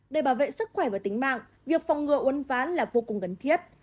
để bảo vệ sức khỏe và tính mạng việc phòng ngừa uấn ván là vô cùng gần thiết